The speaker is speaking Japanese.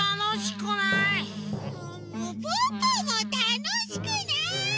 ポッポもたのしくない！